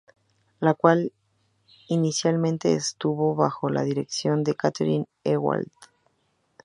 La cual inicialmente estuvo bajo la dirección de Katharine Ewald.